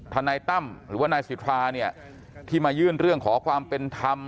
นายตั้มหรือว่านายสิทธาเนี่ยที่มายื่นเรื่องขอความเป็นธรรม